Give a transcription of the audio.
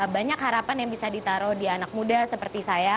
banyak harapan yang bisa ditaruh di anak muda seperti saya